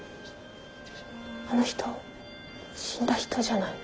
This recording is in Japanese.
あの人死んだ人じゃない？